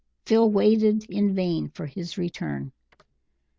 Phil waited in vain for his return.